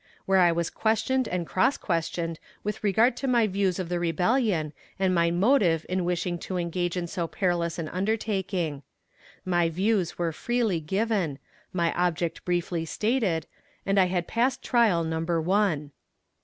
where I was questioned and cross questioned with regard to my views of the rebellion and my motive in wishing to engage in so perilous an undertaking. My views were freely given, my object briefly stated, and I had passed trial number one.